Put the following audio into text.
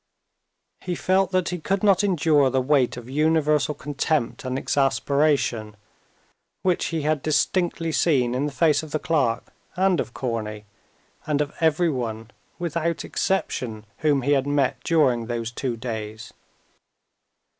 He felt that he could not endure the weight of universal contempt and exasperation, which he had distinctly seen in the face of the clerk and of Korney, and of everyone, without exception, whom he had met during those two days.